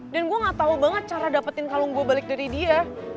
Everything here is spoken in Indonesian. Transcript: dan gua gak tau banget cara dapetin kalung gue balik dari dia